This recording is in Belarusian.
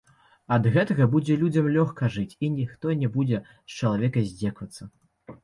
Ад гэтага будзе людзям лёгка жыць, і ніхто не будзе з чалавека здзекавацца.